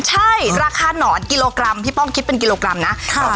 ใช่ราคาหนอนกิโลกรัมพี่ป้องคิดเป็นกิโลกรัมนะ